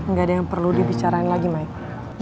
nggak ada yang perlu dibicarain lagi mike